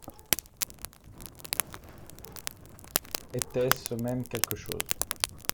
Était-ce même quelque chose?